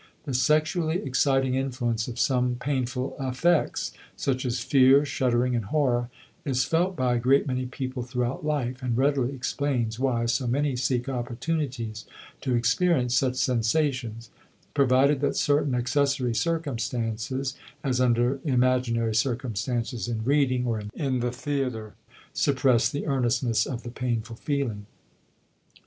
The sexually exciting influence of some painful affects, such as fear, shuddering, and horror, is felt by a great many people throughout life and readily explains why so many seek opportunities to experience such sensations, provided that certain accessory circumstances (as under imaginary circumstances in reading, or in the theater) suppress the earnestness of the painful feeling.